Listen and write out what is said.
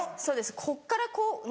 そうですこっからこう。